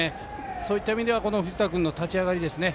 そういった意味では藤田君の立ち上がりですね